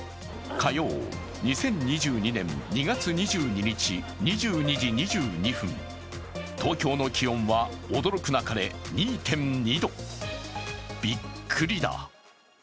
火曜、２０２２年２月２２日２２時２２分、東京の気温は驚くなかれ２．２度、びっくりだ。